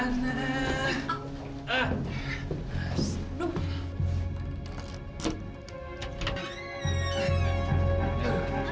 nah nah nah